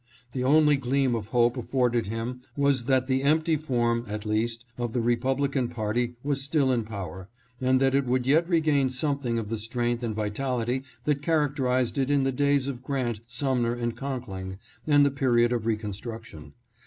The only gleam of hope afforded him was that the empty form, at least, of the Republican party was still in power, and that it would yet regain something of the strength and vitality that characterized it in the days of Grant, Sumner, and Conkling and the period of reconstruction.